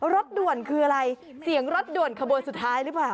รถด่วนคืออะไรเสียงรถด่วนขบวนสุดท้ายหรือเปล่า